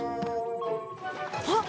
あっ！